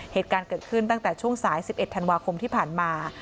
เหตุการณ์เกิดขึ้นตั้งแต่ช่วงสาย๑๑ธันวาคมที่ผ่านมา